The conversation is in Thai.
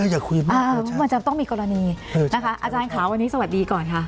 อยากคุยมากมันจะต้องมีกรณีนะคะอาจารย์ค่ะวันนี้สวัสดีก่อนค่ะ